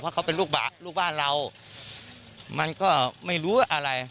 เพราะเขาเป็นลูกบ้านเรามันก็ไม่รู้ว่าอะไร